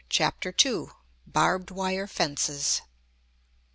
CHAPTER II. BARBED WIRE FENCES.